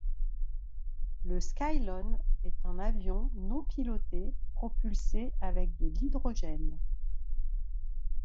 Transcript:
Le Skylon est un avion non-piloté propulsé avec de l'hydrogène.